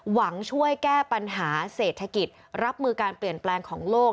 หวังช่วยแก้ปัญหาเศรษฐกิจรับมือการเปลี่ยนแปลงของโลก